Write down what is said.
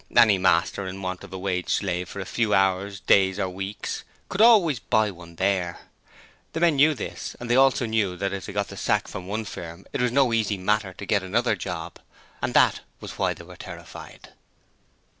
Any master in want of a wage slave for a few hours, days or weeks could always buy one there. The men knew this and they also knew that if they got the sack from one firm it was no easy matter to get another job, and that was why they were terrified.